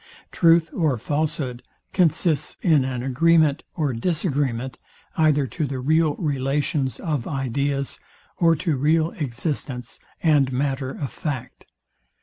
Truth or falshood consists in an agreement or disagreement either to the real relations of ideas, or to real existence and matter of fact.